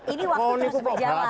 ini waktu terus berjalan